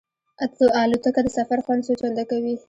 الوتکه د سفر خوند څو چنده کوي.